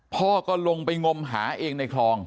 พ่อก็ลงไปงมหาเองในคลอง